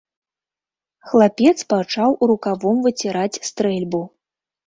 Хлапец пачаў рукавом выціраць стрэльбу.